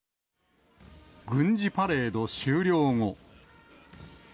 軍事パレード終了後。